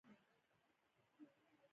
ژوند ولې د ازموینې ځای دی؟